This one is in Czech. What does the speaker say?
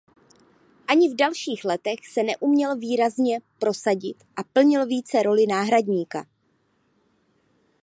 Ani v dalších letech se neuměl výrazně prosadit a plnil více roli náhradníka.